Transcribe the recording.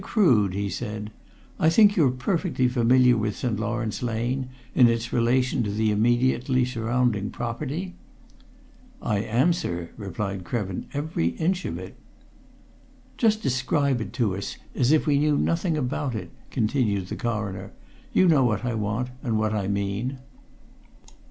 Crood," he said, "I think you're perfectly familiar with St. Lawrence Lane in its relation to the immediately surrounding property?" "I am, sir," replied Krevin. "Every inch of it!" "Just describe it to us, as if we knew nothing about it," continued the Coroner. "You know what I want, and what I mean."